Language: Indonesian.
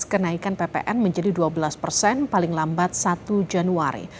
kenaikan ppn menjadi dua belas persen paling lambat satu januari